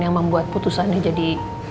yang membuat putusannya jadi